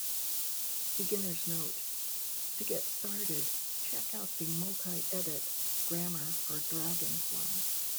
Beginner's note: to get started, check out the multiedit grammar for dragonfly.